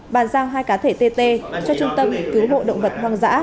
bàn giao hai cá thể tê tê cho trung tâm cứu hộ động vật hoang dã